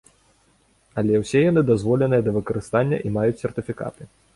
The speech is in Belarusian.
Але ўсе яны дазволеныя да выкарыстання і маюць сертыфікаты.